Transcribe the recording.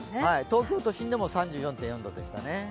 東京都心でも３３．４度でしたね。